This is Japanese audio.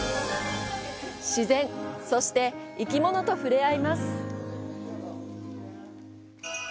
自然、そして生き物と触れ合います！